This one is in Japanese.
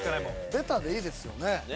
ベタでいいですよね？